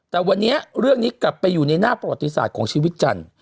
แต่วันนี้เรื่องนี้กลับไปอยู่ในหน้าประวัติศาสตร์ของชีวิตจันทร์